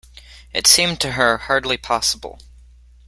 It seemed to her hardly possible.